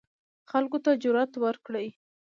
خلکو ته جرئت ورکړي